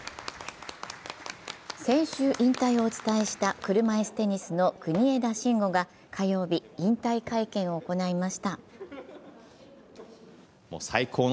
先週、引退をお伝えした車いすテニスの国枝慎吾が火曜日、引退会見を行いました。